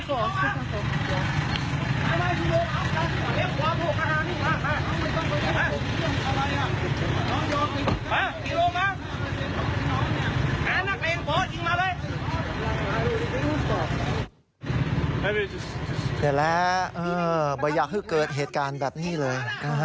เสร็จแล้วบริยาคือเกิดเหตุการณ์แบบนี้เลย